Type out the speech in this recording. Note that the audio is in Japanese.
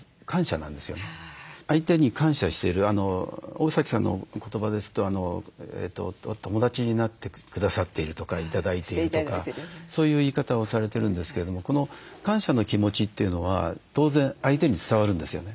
大崎さんの言葉ですと「友だちになってくださっている」とか「頂いている」とかそういう言い方をされてるんですけれどもこの感謝の気持ちというのは当然相手に伝わるんですよね。